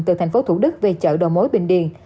từ thành phố thủ đức về chợ đồ mối bình điền